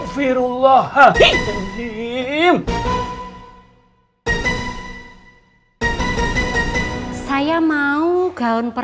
tidak ada apa apa